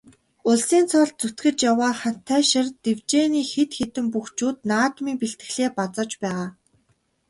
Улсын цолд зүтгэж яваа Хантайшир дэвжээний хэд хэдэн бөхчүүд наадмын бэлтгэлээ базааж байгаа.